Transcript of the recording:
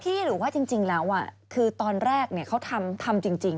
พี่หรือว่าจริงแล้วอะคือตอนแรกเนี่ยเขาทำทำจริง